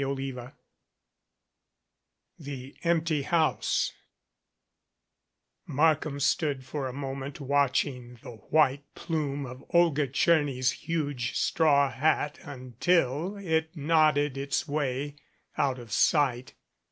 CHAPTER XX THE EMPTY HOUSE MARKHAM stood for a moment watching the white plume of Olga Tcherny's huge straw hat until it nodded its way out of sight.